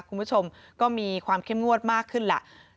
คุณผู้ชมก็มีความเข้มงวดมากขึ้นแหละ